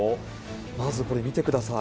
まずこれ、見てください。